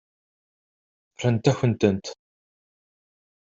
Ffrent-akent-tent.